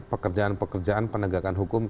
pekerjaan pekerjaan penegakan hukum